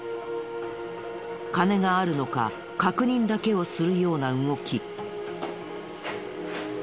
金があるのか確認だけをするような動き。